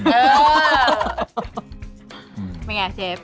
เป็นไงเชฟ